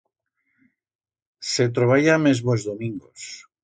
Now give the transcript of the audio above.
Se troballa mesmo es domingos.